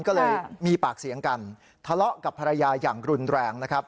ก็เลยมีปากเสียงกันทะเลาะกับภรรยาอย่างรุนแรงนะครับ